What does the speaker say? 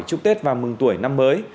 chúc tết và mừng tuổi năm mới